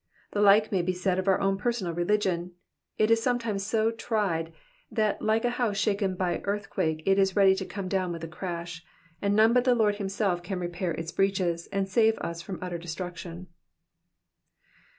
The like may be said of our own personal religion, it is sometimes so tried, that like a house shaken by earth quake it is ready to come down with a crash, and none but the Lord himself can repair its breaches, and save us from utter destniction.